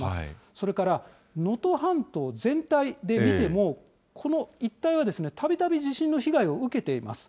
それから能登半島全体で見ても、この一帯はたびたび地震の被害を受けています。